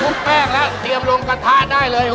แป้งแล้วเตรียมลงกระทะได้เลย